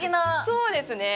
そうですね。